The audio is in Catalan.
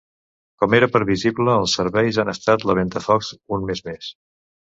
Com era previsible, els serveis han estat la ventafocs un mes més.